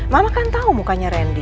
mama kan tahu mukanya randy